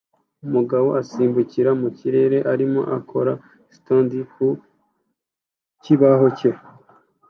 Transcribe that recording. Umugabo asimbukira mu kirere arimo akora stunt ku kibaho cye